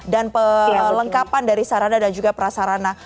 dan pelengkapan dari sarana dan juga prasarana